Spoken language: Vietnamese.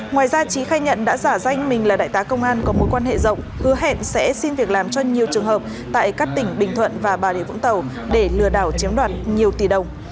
ngoài ra trí khai nhận đã giả danh mình là đại tá công an có mối quan hệ rộng hứa hẹn sẽ xin việc làm cho nhiều trường hợp tại các tỉnh bình thuận và bà rịa vũng tàu để lừa đảo chiếm đoạt nhiều tỷ đồng